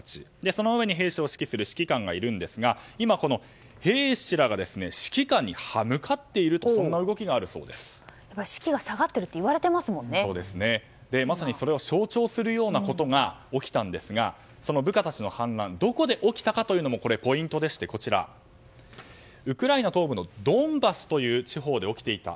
その上に兵士を指揮する指揮官がいるんですが今、この兵士らが指揮官にはむかっていると士気が下がってるとまさにそれを象徴することが起きたんですがその部下たちの反乱どこで起きたかというのもポイントでしてウクライナ東部のドンバスという地方で起きていた。